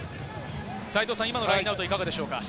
今のラインアウトはいかがでしょうか？